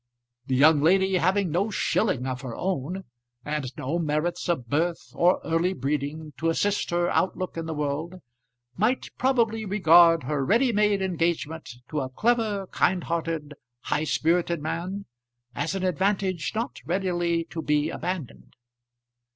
The young lady, having no shilling of her own, and no merits of birth or early breeding to assist her outlook in the world, might probably regard her ready made engagement to a clever, kind hearted, high spirited man, as an advantage not readily to be abandoned.